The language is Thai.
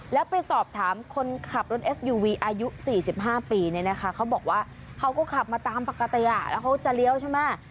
แล้วไปสอบถามคนขับรถเอสยูวีอายุ๔๕ปีเนี่ยนะคะเขาบอกว่าเขาก็ขับมาตามปกติแล้วเขาจะเลี้ยวใช่ไหม